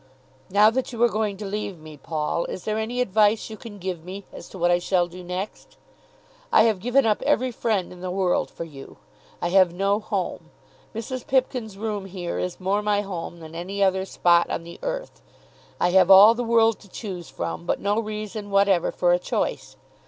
"Now that you are going to leave me, Paul, is there any advice you can give me, as to what I shall do next? I have given up every friend in the world for you. I have no home. Mrs. Pipkin's room here is more my home than any other spot on the earth. I have all the world to choose from, but no reason whatever for a choice.